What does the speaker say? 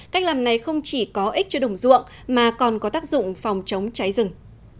cách làm này không chỉ có ích cho đồng ruộng mà còn có tác dụng phòng chống cháy rừng